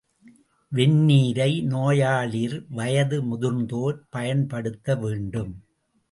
வெந்நீரை நோயாளிர், வயது முதிர்ந்தோர் பயன்படுத்த வேண்டும்.